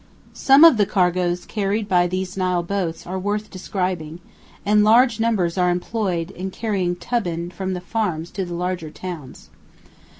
Some of the cargoes carried by these Nile boats are worth describing, and large numbers are employed in carrying "tibbin" from the farms to the larger towns.